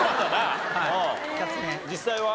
実際は？